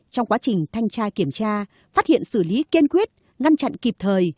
trong quá trình thanh tra kiểm tra phát hiện xử lý kiên quyết ngăn chặn kịp thời